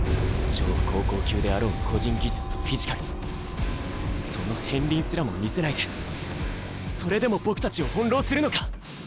超高校級であろう個人技術とフィジカルその片りんすらも見せないでそれでも僕たちを翻弄するのか。